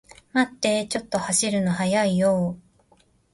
待ってー、ちょっと走るの速いよー